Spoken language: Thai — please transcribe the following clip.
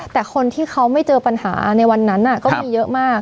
แต่คนที่เขาไม่เจอปัญหาในวันนั้นก็มีเยอะมาก